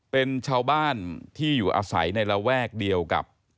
เป็นชาวบ้านที่อยู่อาศัยในระแวกเดียวกับ